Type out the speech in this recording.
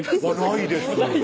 ないです